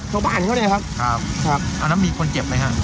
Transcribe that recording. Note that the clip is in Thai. โทรบ้านเขาเนี้ยครับครับครับอันนั้นมีคนเจ็บไหมฮะ